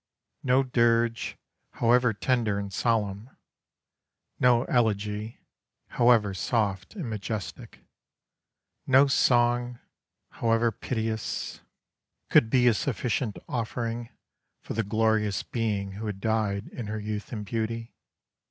No dirge, however tender and solemn; no elegy, however soft and majestic; no song, however piteous, could be a sufficient offering for the glorious being who had died in her youth and beauty.